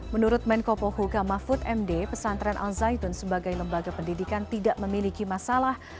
menurut menko pohuka mahfud md pesantren al zaitun sebagai lembaga pendidikan tidak memiliki masalah